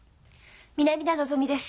南田のぞみです。